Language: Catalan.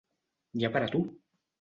N'hi ha per a tu!